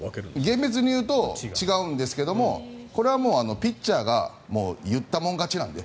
厳密にいうと違うんですけどこれはもう、ピッチャーが言ったもの勝ちなので。